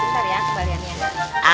sebentar ya kembaliannya